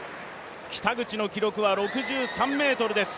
北口の記録は６３ｍです。